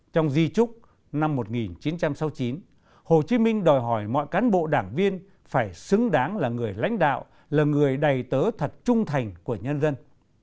trong di trúc năm một nghìn chín trăm sáu mươi chín hồ chí minh đòi hỏi mọi cán bộ đảng viên phải xứng đáng là người lãnh đạo là người đầy tớ thật trung thành của nhân dân